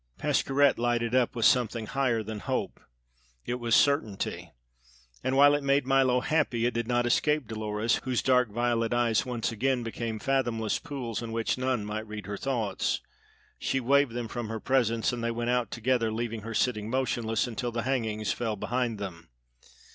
Pascherette lighted up with something higher than hope: it was certainty; and while it made Milo happy it did not escape Dolores, whose dark violet eyes once again became fathomless pools in which none might read her thoughts. She waved them from her presence, and they went out together, leaving her sitting motionless until the hangings fell behind them.